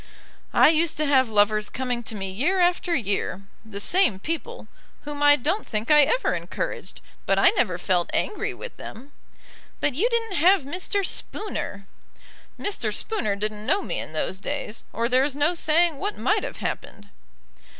"I used to have lovers coming to me year after year, the same people, whom I don't think I ever encouraged; but I never felt angry with them." "But you didn't have Mr. Spooner." "Mr. Spooner didn't know me in those days, or there is no saying what might have happened."